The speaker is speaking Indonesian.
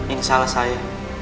ini salah saya